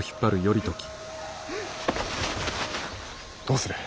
どうする。